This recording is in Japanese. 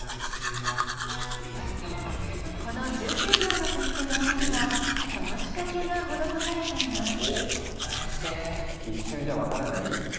この１９秒の曲と動画にはその仕掛けが施されています。